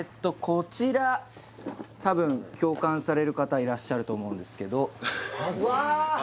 こちら多分共感される方いらっしゃると思うんですけどうわ